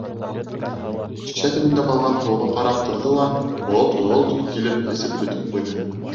Шешә төбөндә ҡалған һыуға ҡарап торҙо ла ғолт-ғолт килеп эсеп бөтөп ҡуйҙы.